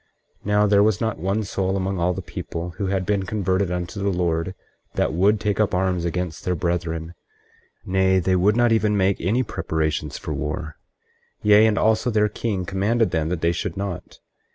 24:6 Now there was not one soul among all the people who had been converted unto the Lord that would take up arms against their brethren; nay, they would not even make any preparations for war; yea, and also their king commanded them that they should not.